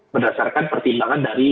berdasarkan pertimbangan dari